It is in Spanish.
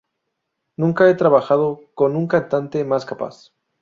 Nunca he trabajado con un cantante más capaz".